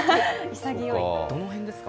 どの辺ですか？